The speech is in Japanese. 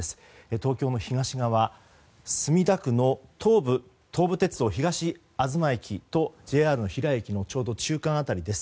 東京の東側墨田区の東武鉄道東あずま駅とＪＲ平井駅のちょうど中間辺りです。